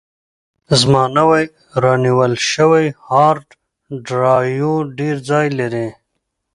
زما نوی رانیول شوی هارډ ډرایو ډېر ځای لري.